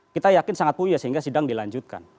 kita yakin sangat punya sehingga sedang dilanjutkan